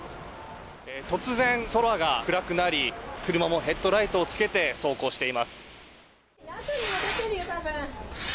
突然空が暗くなり、車もヘッドライトをつけて走行しています。